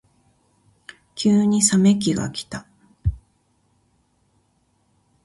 急に冷め期がきた。